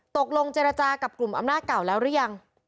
ตกลงเจรจากับกลุ่มอำนาจเก่าแล้วหรือยัง